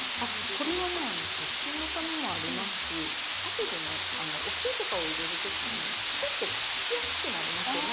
これはね殺菌のためもありますし後でねお塩とかを入れるときにちょっとつきやすくなりますよね。